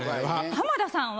浜田さんは。